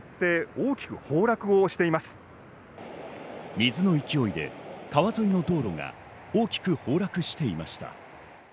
水の勢いで川沿いの道路が大きく崩落していました。